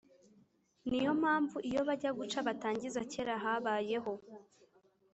Ni yo mpamvu iyo bajya guca batangiza kera habayeho